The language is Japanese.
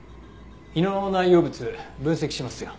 胃の内容物分析しますよ。